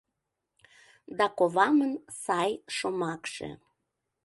Да ковамын сай шомакше